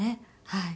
はい。